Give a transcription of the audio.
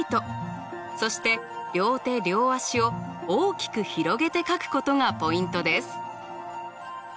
そして両手両足を大きく広げて描くことがポイントです。